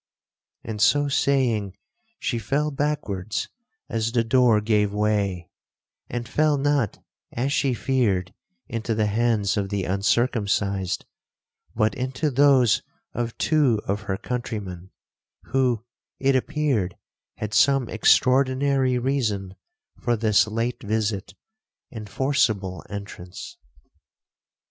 And so saying, she fell backwards as the door gave way, and fell not, as she feared, into the hands of the uncircumcised, but into those of two of her countrymen, who, it appeared, had some extraordinary reason for this late visit and forcible entrance.